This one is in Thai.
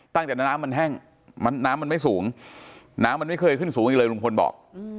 ตั้งแต่น้ำมันแห้งน้ำมันไม่สูงน้ำมันไม่เคยขึ้นสูงอีกเลยลุงพลบอก